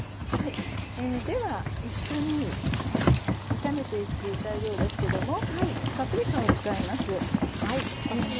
では一緒に炒めて行く材料ですけどもパプリカを使います。